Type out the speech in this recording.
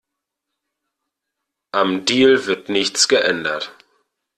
Am Deal wird nichts geändert.